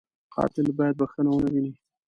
قاتل باید بښنه و نهويني